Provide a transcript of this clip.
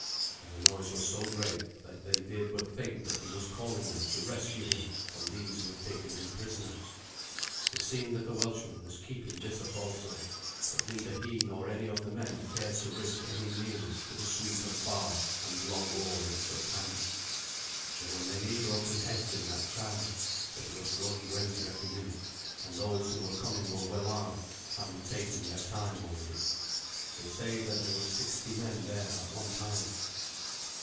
And the noise was so great that they did but think that he was calling them to rescue him from these who had taken him prisoner. It seemed that the Welshman was keeping this up also; but neither he nor any of the men cared to risk any nearness to the sweep of bar and long oar in such hands. There were many broken heads in that crowd; but it was growing greater every minute, and those who were coming were well armed, having taken their time over it. They say that there were sixty men there at one time.